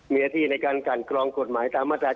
มีหน้าที่ในการกันกรองกฎหมายตามมาตรา๑